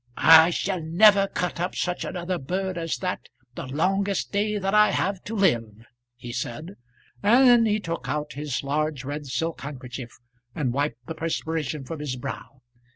"I shall never cut up such another bird as that, the longest day that I have to live," he said; and then he took out his large red silk handkerchief and wiped the perspiration from his brow.